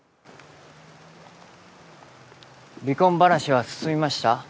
離婚話は進みました？